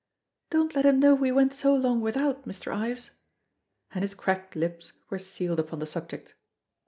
"Don't let him know we went so long without, Mr. Ives!" And his cracked lips were sealed upon the subject.